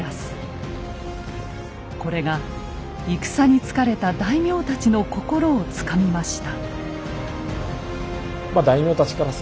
これが戦に疲れた大名たちの心をつかみました。